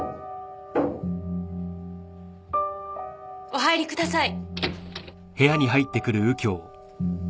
お入りください。